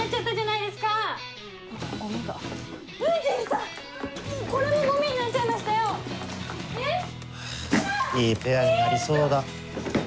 いいペアになりそうだ。